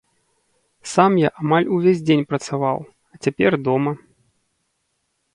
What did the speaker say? Сам я амаль увесь дзень працаваў, а цяпер дома.